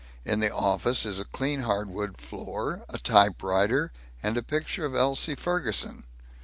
In the office is a clean hardwood floor, a typewriter, and a picture of Elsie Ferguson.